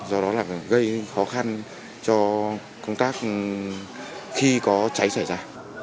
do đó là gây khó khăn cho công tác khi có cháy xảy ra